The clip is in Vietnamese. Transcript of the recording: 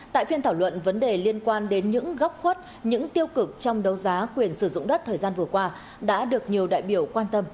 tại phiên thảo luận vấn đề liên quan đến những góc khuất những tiêu cực trong đấu giá quyền sử dụng đất thời gian vừa qua đã được nhiều đại biểu quan tâm